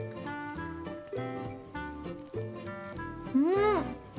うん！